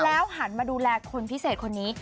หันมาดูแลคนพิเศษคนนี้